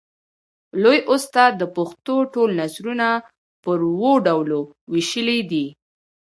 لوى استاد د پښتو ټول نثرونه پر اوو ډولونو وېشلي دي.